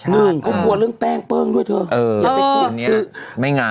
หนึ่งก็กลัวเรื่องแป้งเปิ้ลด้วยเถอะอืมเออไปกูนี่ไม่งาม